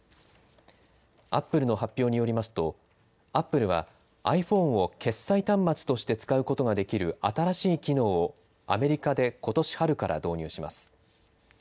アップルの発表によりますと、アップルは、ｉＰｈｏｎｅを決済端末として使うことができる新しい機能を、アメリカでことし春から導入します。